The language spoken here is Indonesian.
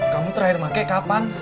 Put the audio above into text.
kamu terakhir pake kapan